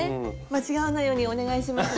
間違わないようにお願いします